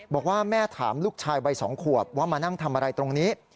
บอกว่าแม่ถามลูกชายวัย๒ขวบว่ามานั่งทำอะไรตรงนี้